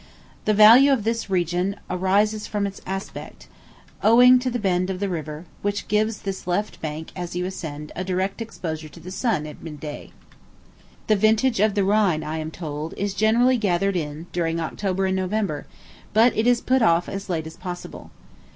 The value of this region arises from its aspect, owing to the bend of the river, which gives this left bank, as you ascend, a direct exposure to the sun at midday. The vintage of the Rhine, I am told, is generally gathered in during October and November, but it is put off as late as possible.